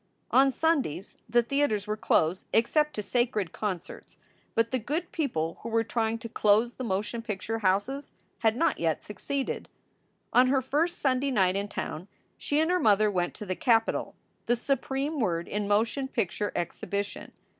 On Sundays, the theaters were closed except to "sacred concerts," but the good people who were trying to close the motion picture houses had not yet succeeded. On her first Sunday night in town she and her mother went to the Capitol, the supreme word in motion picture exhi bition.